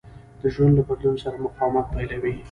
د ژوند له بدلون سره مقاومت پيلوي.